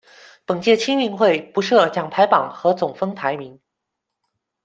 本届青运会不设奖牌榜和总分排名。